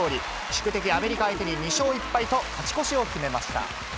宿敵、アメリカ相手に２勝１敗と、勝ち越しを決めました。